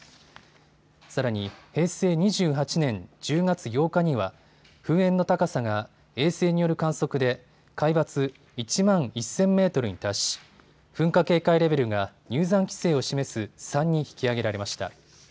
さらに平成２８年１０月８日には噴煙の高さが衛星による観測で海抜１万１０００メートルに達し噴火警戒レベルが入山規制を示す３に引き上げられました。